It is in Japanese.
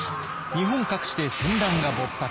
日本各地で戦乱が勃発。